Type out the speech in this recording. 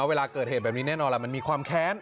เวลาเกิดเหตุแบบนี้แน่นอนล่ะมันมีความแค้น